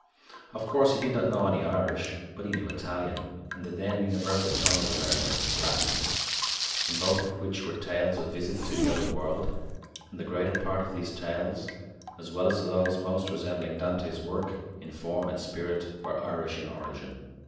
Of course, he did not know any Irish, but he knew Italian and the then universal tongue of the learned Latin, in both of which were tales of visits to the other world; and the greater part of these tales, as well as those most resembling Dante's work in form and spirit, were Irish in origin.